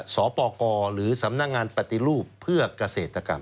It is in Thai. สปกรหรือสำนักงานปฏิรูปเพื่อเกษตรกรรม